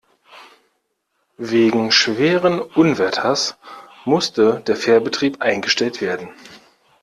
Wegen schweren Unwetters musste der Fährbetrieb eingestellt werden.